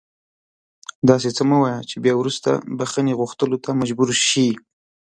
داسې څه مه وایه چې بیا وروسته بښنې غوښتلو ته مجبور شې